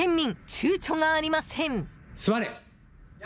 ちゅうちょがありません。